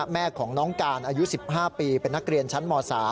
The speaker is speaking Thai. แม่ของน้องการอายุ๑๕ปีเป็นนักเรียนชั้นม๓